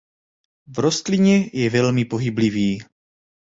V rostlině je velmi pohyblivý.